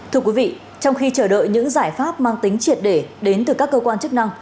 thưa quý vị trong khi chờ đợi những giải pháp mang tính triệt để đến từ các cơ quan chức năng